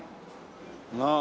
なあ？